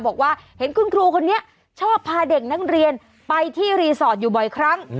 บอกว่าเห็นคุณครูคนนี้ชอบพาเด็กนักเรียนไปที่รีสอร์ทอยู่บ่อยครั้ง